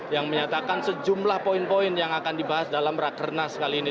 yang menyatakan sejumlah poin poin yang akan dibahas dalam rakernas kali ini